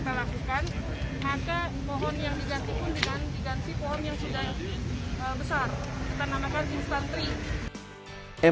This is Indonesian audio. kita namakan instant tree